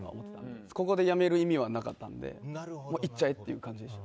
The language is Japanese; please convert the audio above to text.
ここでやめる意味はなかったのでいっちゃえという感じでした。